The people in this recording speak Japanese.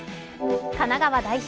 神奈川代表